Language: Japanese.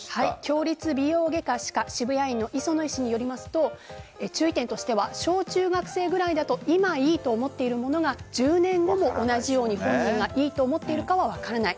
共立美容外科・歯科渋谷院の磯野医師によりますと注意点としては小中学生ぐらいだと今、いいと思っているものが１０年後も同じように本人がいいと思っているか分からない。